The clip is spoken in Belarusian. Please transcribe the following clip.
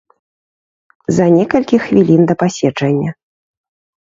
За некалькі хвілін да паседжання.